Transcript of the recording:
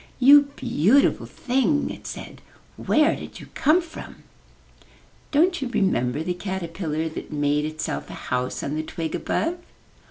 ''You beautiful thing," it said, *'where did you come from?'* ''Don't you remember the caterpillar that made itself a house on the twig above?'